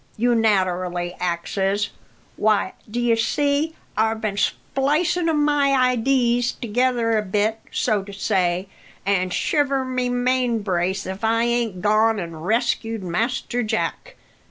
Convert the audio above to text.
you naterally axes. Why, d'ye see, I've been splicin' o' my idees together a bit, so to say, an' shiver my main brace if I ain't gone an' rescued Master Jack!"